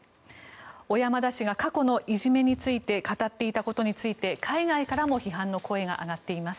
小山田氏が過去のいじめについて語っていたことについて海外からも批判の声が上がっています。